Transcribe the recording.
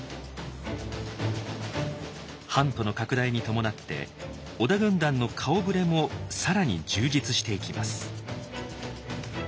版図の拡大に伴って織田軍団の顔ぶれも更に充実していきます。